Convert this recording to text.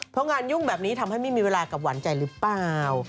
เพราะงานยุ่งแบบนี้ทำให้ไม่มีเวลากับหวานใจหรือเปล่า